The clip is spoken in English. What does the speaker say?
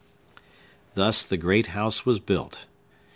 Thus the great house was built.